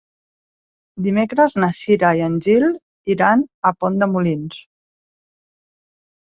Dimecres na Cira i en Gil iran a Pont de Molins.